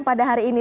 pada hari ini